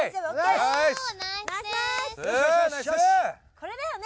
これだよね！